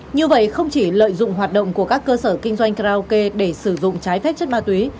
như vậy không chỉ lợi dụng hoạt động của các cơ sở kinh doanh karaoke để sử dụng trái phép chất ma túy